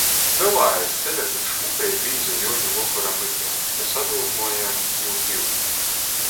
Pļovā aiz ceļa tik šmuka i bīza Juoņu vokora mygla, ka sadūmojam jū giut.